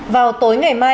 vào tối ngày mai